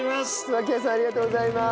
脇屋さんありがとうございます！